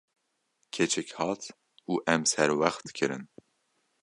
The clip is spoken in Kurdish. Keçik hat û em serwext kirin.